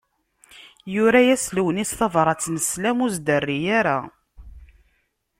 Yura-yas Lewnis tabrat n sslam, ur s-d-terri ara.